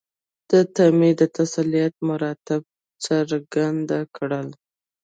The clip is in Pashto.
ده ته مې د تسلیت مراتب څرګند کړل.